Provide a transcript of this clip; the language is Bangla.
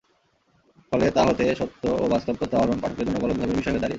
ফলে তা হতে সত্য ও বাস্তব তথ্য আহরণ পাঠকের জন্য গলদঘর্মের বিষয় হয়ে দাঁড়িয়েছে।